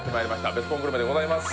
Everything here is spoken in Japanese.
ベスコングルメでございます